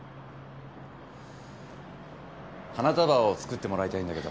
花束を作ってもらいたいんだけど。